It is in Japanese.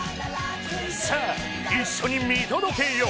さあ、一緒に見届けよう。